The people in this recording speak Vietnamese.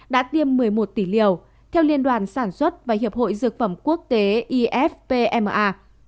đã tiêm một mươi một tỷ liều theo liên đoàn sản xuất và hiệp hội dược phẩm quốc tế ifpma